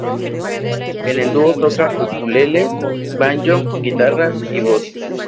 En el dúo toca ukelele, banjo, guitarra y voz.